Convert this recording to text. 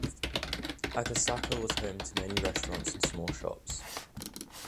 Akasaka was home to many restaurants and small shops.